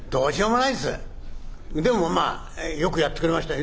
でもまぁよくやってくれましたよ。